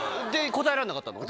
答えられなかった。